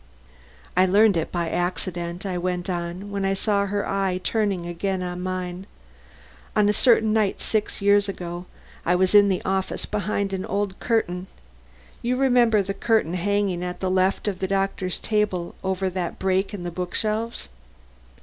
"I learned it by accident," I went on, when I saw her eye turn again on mine. "On a certain night six years ago, I was in the office behind an old curtain you remember the curtain hanging at the left of the doctor's table over that break in the book shelves.